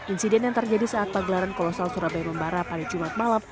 insiden yang terjadi saat pagelaran kolosal surabaya membara pada jumat malam